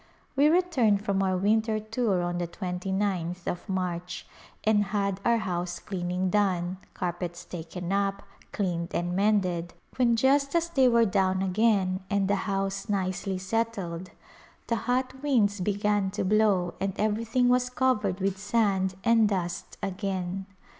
We returned from our winter tour on the 29th of March, and had our house cleaning done, carpets taken up, cleaned and mended, when just as they were down again and the house nicely settled the hot winds began to blow and everything was covered with sand and dust again.